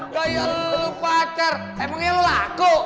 gaya lu pacar emangnya lu laku